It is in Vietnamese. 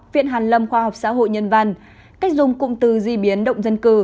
viện hàn lâm khoa học xã hội nhân văn cách dùng cụm từ di biến động dân cư